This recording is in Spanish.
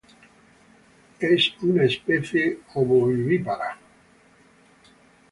Es una especie ovovivípara.